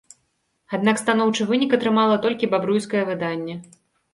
Аднак станоўчы вынік атрымала толькі бабруйскае выданне.